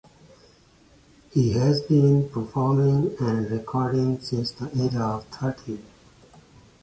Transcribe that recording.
He has been performing and recording since the age of thirteen.